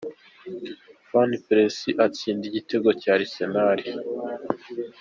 Van Persie atsinda igitego cya Arsenal.